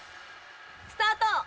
スタート！